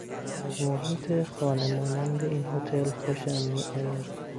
از محیط خانه مانند این هتل خوشم میآید.